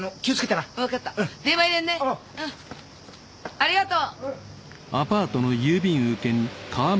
ありがとう！